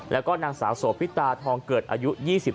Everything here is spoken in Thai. แล้วก็นางสาวโสพิตาทองเกิดอายุ๒๓